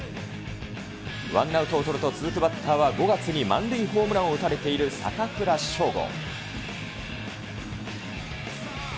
ワンアウトを取ると、続くバッターは５月に満塁ホームランを打たれている坂倉将吾。